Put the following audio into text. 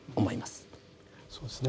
そうですね。